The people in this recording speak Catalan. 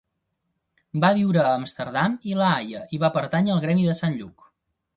Va viure a Amsterdam i La Haia i va pertànyer al Gremi de Sant Lluc.